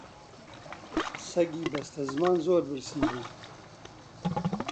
سەگی بەستەزمان زۆر برسی بوو